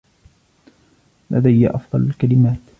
لدي أفضل الكلمات.